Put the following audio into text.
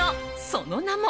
その名も。